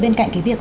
bên cạnh cái việc